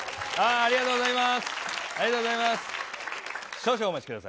ありがとうございます。